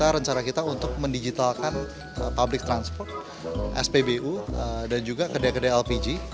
rencana kita untuk mendigitalkan public transport spbu dan juga kedai kedai lpg